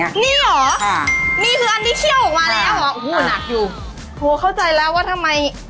นี่เหรออ่านี่คืออันนี้เคี่ยวออกมาแล้วเหรอโอ้โหหนักอยู่โหเข้าใจแล้วว่าทำไม